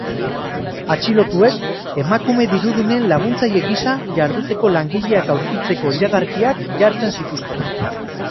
Atxilotuek emakume dirudunen laguntzaile gisa jarduteko langileak aurkitzeko iragarkiak jartzen zituzten.